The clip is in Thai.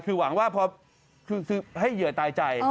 คือหวังว่าพอคือให้เหยื่อตายใจ